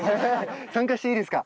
参加していいですか？